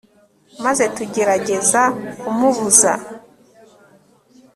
maze tugerageza kumubuza